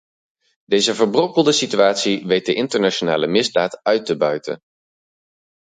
Deze verbrokkelde situatie weet de internationale misdaad uit te buiten.